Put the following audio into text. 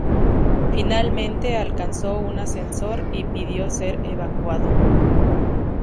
Finalmente alcanzó un ascensor y pidió ser evacuado.